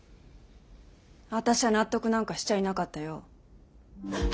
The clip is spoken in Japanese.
あたしは納得なんかしちゃいなかったよ。